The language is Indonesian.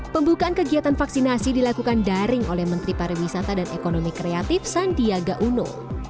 pembukaan kegiatan vaksinasi dilakukan daring oleh menteri pariwisata dan ekonomi kreatif sandiaga uno